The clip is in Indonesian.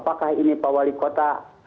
apakah ini pak wali kota